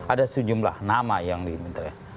ada sejumlah nama yang dimintain